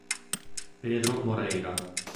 Pedro Moreira